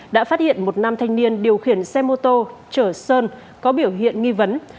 đã phát hiện một nam thanh niên điều khiển xe mô tô chở sơn có biểu hiện nghi vấn